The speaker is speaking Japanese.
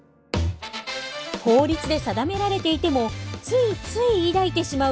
法律で定められていてもついつい抱いてしまう疑問や不満。